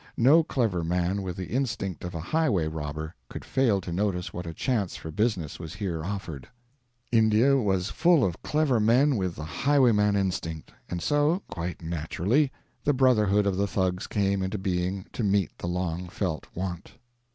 No clever man with the instinct of a highway robber could fail to notice what a chance for business was here offered. India was full of clever men with the highwayman instinct, and so, quite naturally, the brotherhood of the Thugs came into being to meet the long felt want.